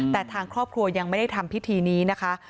แต่ทางครอบครัวยังไม่ได้ทำพิธีนี้นะคะ